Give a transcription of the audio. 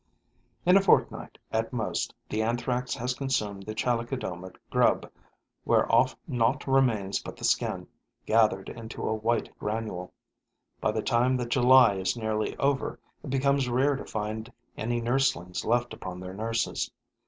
In a fortnight at most, the Anthrax has consumed the Chalicodoma grub, whereof naught remains but the skin, gathered into a white granule. By the time that July is nearly over, it becomes rare to find any nurslings left upon their nurses.